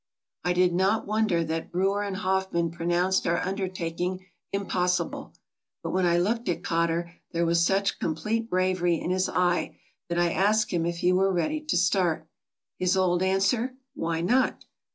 I did not wonder that Brewer and Hoffman pronounced our undertaking impossible; but when I looked at Cotter there was such complete bravery in his eye that I asked him if he were ready to start. His old answer, '' Why not